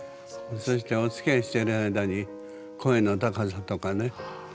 そしておつきあいしている間に声の高さとかね